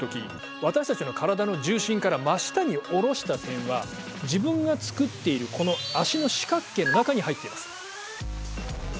私たちの体の重心から真下に下ろした点は自分が作っているこの足の四角形の中に入っています。